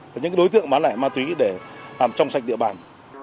và những đối tượng bán lẻ ma túy để làm trong sạch địa bàn